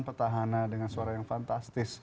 petahana dengan suara yang fantastis